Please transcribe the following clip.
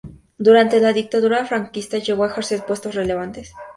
Durante la Dictadura franquista llegó a ejercer puestos relevantes.